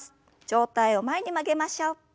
上体を前に曲げましょう。